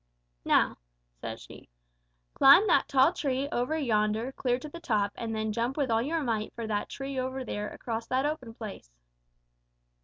"'Now,' said she, 'climb that tall tree over yonder clear to the top and then jump with all your might for that tree over there across that open place.'